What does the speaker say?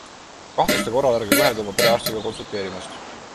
Kahtluste korral ärge kõhelge oma perearstiga konsulteerimast.